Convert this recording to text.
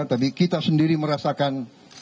tapi kita sendiri merasakan